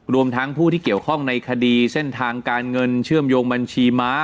รวมทั้งผู้ที่เกี่ยวข้องในคดีเส้นทางการเงินเชื่อมโยงบัญชีม้า